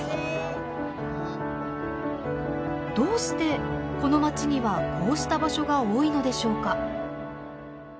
どうしてこの町にはこうした場所が多いのでしょうか。